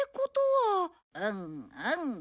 うんうん。